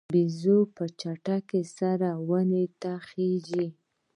بیزو په چټکۍ سره ونو ته خیژي.